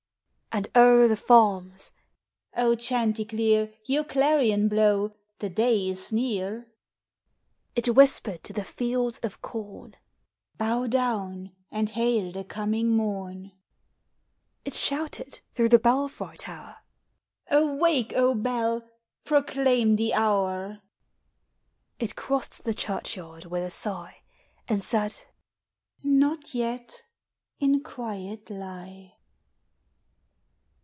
'' And o'er the farms, " chanticleer, Your clarion blow ; the day is near !" It whispered to the fields of corn, " Bow down, and hail the coming morn !" It shouted through the belfry tower, " Awake, O bell ! proclaim the hour." It crossed the churchyard with a sigh, And said, ''Not yet! in quiet lie."